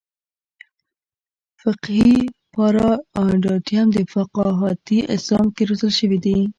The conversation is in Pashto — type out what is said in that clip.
فقهي پاراډایم یا فقاهتي اسلام کې روزل شوي دي.